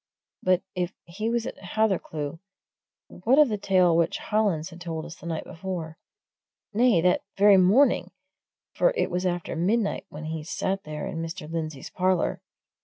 But if he was at Hathercleugh, what of the tale which Hollins had told us the night before? nay, that very morning, for it was after midnight when he sat there in Mr. Lindsey's parlour.